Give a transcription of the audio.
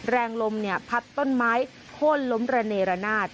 แรงลมพัดต้นไม้โค้นล้มระเนรนาศ